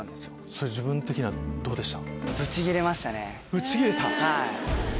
それ自分的にはどうでした？